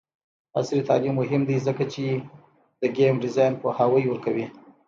عصري تعلیم مهم دی ځکه چې د ګیم ډیزاین پوهاوی ورکوي.